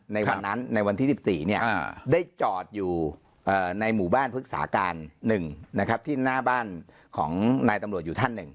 ในวันนั้นในวันที่๑๔ได้จอดอยู่ในหมู่บ้านพฤกษาการ๑ที่หน้าบ้านของนายตำรวจอยู่ท่านหนึ่ง